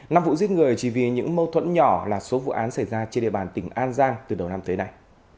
năm vụ giết người chỉ vì những mâu thuẫn nhỏ là số vụ án xảy ra trên địa bàn tỉnh an giang từ đầu năm tới nay